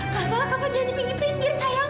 kava kava jangan dipinggi pinter sayang